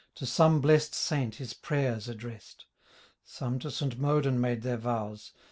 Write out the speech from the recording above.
To some blessM saint his prayers addressM : Some to St. Modan made their vows.